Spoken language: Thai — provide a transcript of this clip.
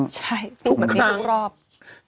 ใช่ทุกครั้ง